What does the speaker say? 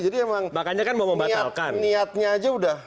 jadi emang niatnya aja udah